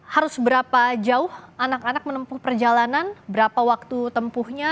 harus berapa jauh anak anak menempuh perjalanan berapa waktu tempuhnya